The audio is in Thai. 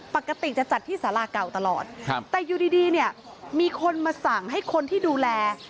ปกติจะจัดที่สาราเก่าตลอดแต่อยู่ดีเนี่ยมีคนมาสั่งให้คนที่ดูแล